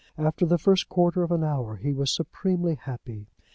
After the first quarter of an hour he was supremely happy.